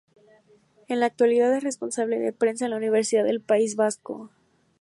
En la actualidad es responsable de prensa en la Universidad del País Vasco.